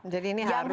jadi ini harus